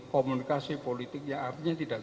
komunikasi politik yang artinya tidak